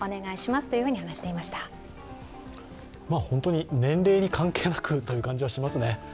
本当に年齢に関係なくという感じはしますね。